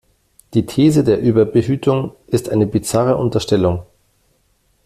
Die These der Überbehütung ist eine bizarre Unterstellung.